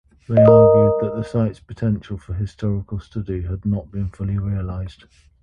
They argued that the site's potential for historical study had not been fully realised.